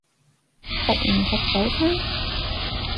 食唔食早餐？